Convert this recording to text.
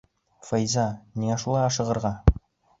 Файза, ниңә шулай ашығырға?